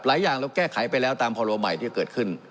หลายอย่างเราแก้ไขไปแล้วตามพรบใหม่ที่เกิดขึ้น